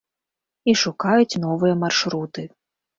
І шукаюць новыя маршруты.